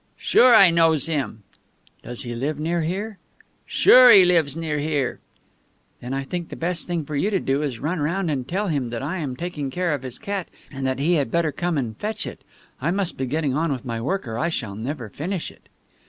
"Sure, I knows him." "Does he live near here?" "Sure, he lives near here." "Then I think the best thing for you to do is to run round and tell him that I am taking care of his cat, and that he had better come and fetch it. I must be getting on with my work, or I shall never finish it."